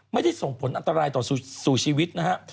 ไม่ได้ส่งผลอันตรายต่อสู่ชีวิตนะฮะ